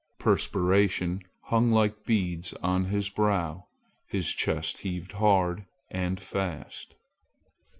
Perspiration hung like beads on his brow. His chest heaved hard and fast.